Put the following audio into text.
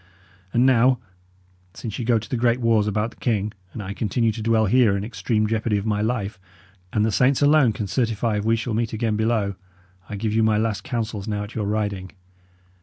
And now, since ye go to the great wars about the king, and I continue to dwell here in extreme jeopardy of my life, and the saints alone can certify if we shall meet again below, I give you my last counsels now at your riding.